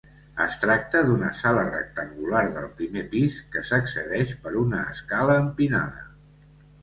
Es tracta d'una sala rectangular del primer pis, que s'accedeix per una escala empinada.